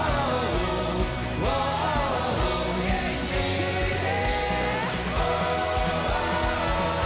続けて！